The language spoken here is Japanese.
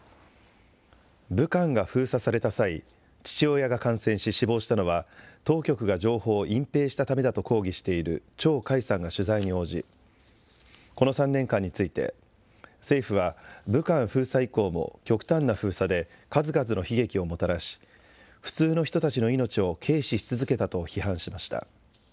武漢が封鎖された際、父親が感染し、死亡したのは、当局が情報を隠蔽したためだと抗議している張海さんが取材に応じ、この３年間について、政府は武漢封鎖以降も極端な封鎖で数々の悲劇をもたらし、普通の人たちの命を軽視し続けたと批判しました。